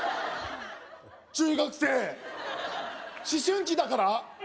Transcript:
中学生思春期だから？